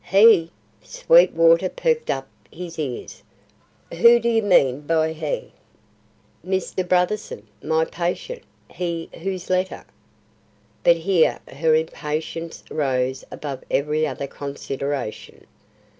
"He!" Sweetwater perked up his ears. "Who do you mean by he?" "Mr. Brotherson, my patient, he whose letter " But here her impatience rose above every other consideration.